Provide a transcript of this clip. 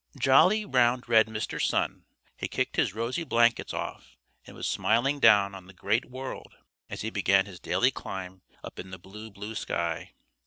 Jolly, round, red Mr. Sun had kicked his rosy blankets off and was smiling down on the Great World as he began his daily climb up in the blue, blue sky.